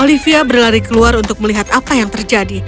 olivia berlari keluar untuk melihat apa yang terjadi